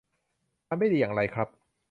มันไม่ดีอย่างไรครับ